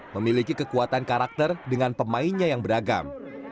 memiliki kekuatan karakter dengan pemainnya yang beragam